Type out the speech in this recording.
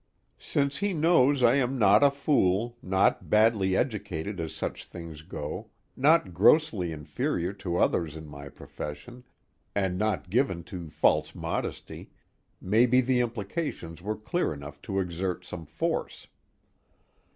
Since he knows I am not a fool, not badly educated as such things go, not grossly inferior to others in my profession, and not given to false modesty, maybe the implications were clear enough to exert some force.